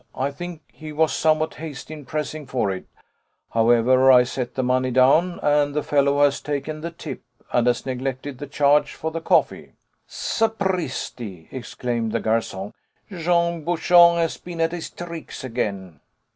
I think he was somewhat hasty in pressing for it; however, I set the money down, and the fellow has taken the tip, and has neglected the charge for the coffee." "Sapristi!" exclaimed the garçon; "Jean Bouchon has been at his tricks again."